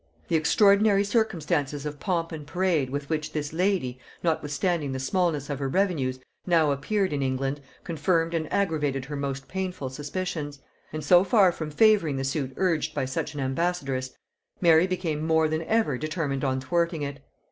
The extraordinary circumstances of pomp and parade with which this lady, notwithstanding the smallness of her revenues, now appeared in England, confirmed and aggravated her most painful suspicions; and so far from favoring the suit urged by such an ambassadress, Mary became more than ever determined on thwarting it.